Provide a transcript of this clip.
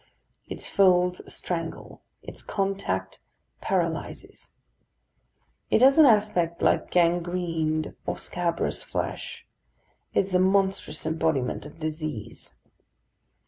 Its folds strangle, its contact paralyses. It has an aspect like gangrened or scabrous flesh. It is a monstrous embodiment of disease.